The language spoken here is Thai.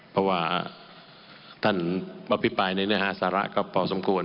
เพราะว่าท่านอภิปรายในเนื้อหาสาระก็พอสมควร